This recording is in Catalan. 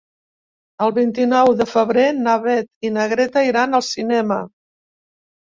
El vint-i-nou de febrer na Beth i na Greta iran al cinema.